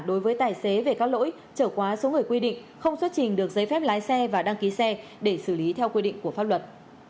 đối với tài xế về các lỗi trở quá số người quy định không xuất trình được giấy phép lái xe và đăng ký xe để xử lý theo quy định của pháp luật